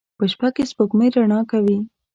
په شپه کې سپوږمۍ رڼا کوي